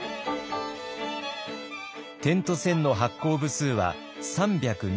「点と線」の発行部数は３２２万部。